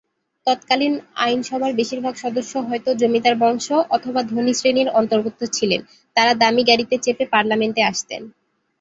তৎকালীন আইনসভার বেশির ভাগ সদস্য হয়তো জমিদার বংশ অথবা ধনী শ্রেণীর অন্তর্গত ছিলেন, তারা দামী গাড়িতে চেপে পার্লামেন্ট আসতেন।